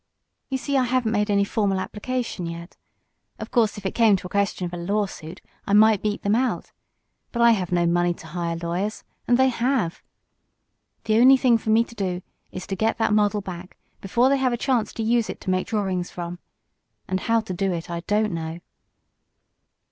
"You see I haven't made any formal application yet. Of course, if it came to a question of a lawsuit, I might beat them out. But I have no money to hire lawyers, and they have. The only thing for me to do is to get that model back before they have a chance to use it to make drawings from. And how to do it I don't know."